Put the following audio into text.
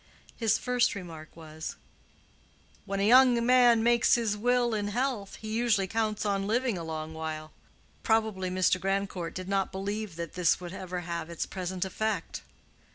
His first remark was, "When a young man makes his will in health, he usually counts on living a long while. Probably Mr. Grandcourt did not believe that this will would ever have its present effect."